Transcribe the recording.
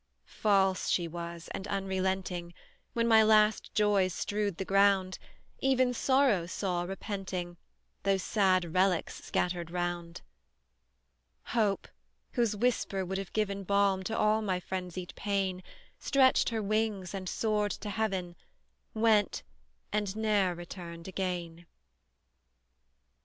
False she was, and unrelenting; When my last joys strewed the ground, Even Sorrow saw, repenting, Those sad relics scattered round; Hope, whose whisper would have given Balm to all my frenzied pain, Stretched her wings, and soared to heaven, Went, and ne'er returned again!